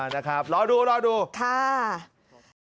อ๋อนะครับรอดูรอดูค่ะรอดู